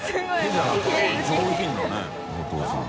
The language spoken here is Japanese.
手じゃなくて上品だねお父さん。